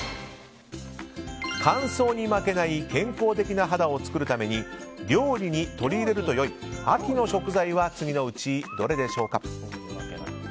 乾燥に負けない健康的な肌を作るために料理に取り入れると良い秋の食材は次のうちどれでしょうか。